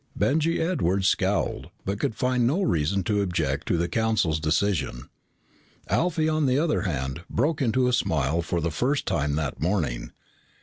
Benjy Edwards scowled but could find no reason to object to the Council's decision. Alfie, on the other hand, broke into a smile for the first time that morning.